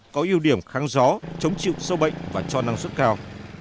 có ưu điểm kháng gió chống chịu sâu bệnh và cho năng suất cao